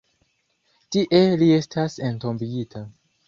Tie li estas entombigita.